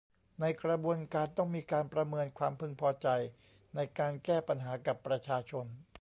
ในกระบวนการต้องมีการประเมินความพึงพอใจในการแก้ไขปัญหากับประชาชน